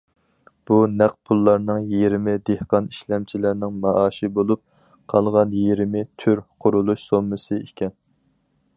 بۇ نەق پۇللارنىڭ يېرىمى دېھقان ئىشلەمچىلەرنىڭ مائاشى بولۇپ، قالغان يېرىمى تۈر قۇرۇلۇش سوممىسى ئىكەن.